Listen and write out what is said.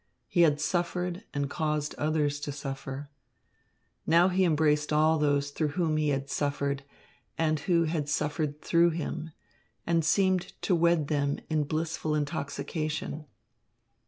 He had suffered and caused others to suffer. Now he embraced all those through whom he had suffered and who had suffered through him, and seemed to wed them in blissful intoxication.